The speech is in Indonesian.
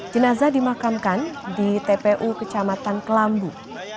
jenazah dimakamkan di tpu kecamatan kelambu